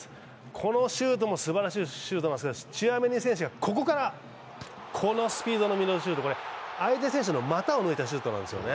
このシュートもすばらしいシュートですけどチュアメニ選手がここからこのスピードのシュート、相手選手の股を抜いたシュートなんですよね。